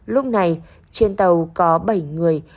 lúc này trên tàu có bảy người